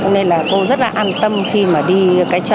nên là cô rất là an tâm khi mà đi cái chợ